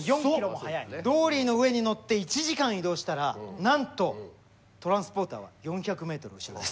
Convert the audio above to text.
ドーリーの上に載って１時間移動したらなんとトランスポーターは４００ｍ後ろです。